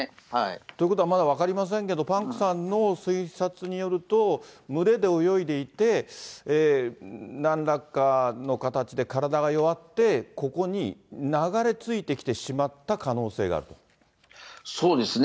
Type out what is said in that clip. ということは、まだ分かりませんけれども、パンクさんの推察によると、群れで泳いでいて、なんらかの形で体が弱ってここに流れ着いてきてしまった可能性がそうですね。